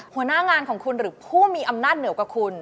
หัวหน้างานของคุณหรือผู้มีอำนาจเหนือกว่าคุณ